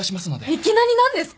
いきなり何ですか！？